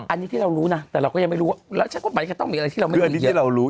อันนี้ที่เรารู้นะแต่เราก็ยังไม่รู้ว่าแล้วใช้กฎหมายจะต้องมีอะไรที่เราไม่รู้